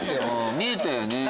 見えたよね。